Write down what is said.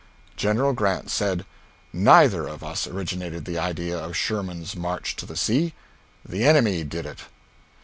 General Grant said: "Neither of us originated the idea of Sherman's march to the sea. The enemy did it."